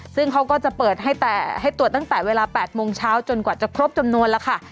ซึ่งเขาก็จะเปิดให้แต่ให้ตรวจตั้งแต่เวลา๘โมงเช้าจนกว่าจะครบจำนวนแล้วค่ะ